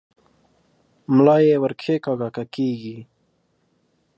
ملا یې ور کښېکاږه که کېږي؟